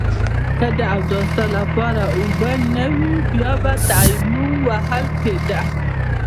که د اوداسه لپاره اوبه نه وي بيا به تيمم وهل کېده.